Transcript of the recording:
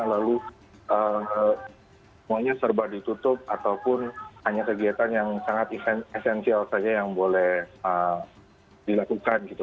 lalu semuanya serba ditutup ataupun hanya kegiatan yang sangat esensial saja yang boleh dilakukan gitu